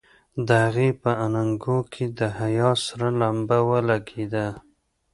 د هغې په اننګو کې د حيا سره لمبه ولګېده.